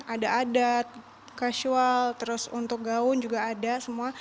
ada adat casual terus untuk gaun juga ada semua